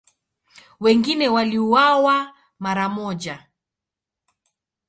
Wengine waliuawa mara moja.